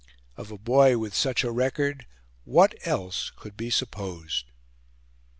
Of a boy with such a record, what else could be supposed?